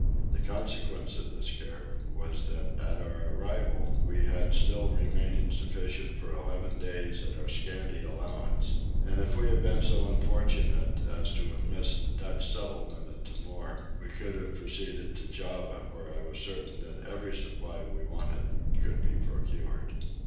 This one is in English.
The consequence of this care was that at our arrival we had still remaining sufficient for eleven days at our scanty allowance: and if we had been so unfortunate as to have missed the Dutch settlement at Timor we could have proceeded to Java where I was certain that every supply we wanted could be procured.